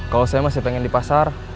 kalau saya masih pengen di pasar